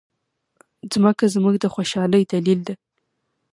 مځکه زموږ د خوشالۍ دلیل ده.